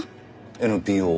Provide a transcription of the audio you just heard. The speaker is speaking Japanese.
ＮＰＯ？